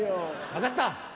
分かった。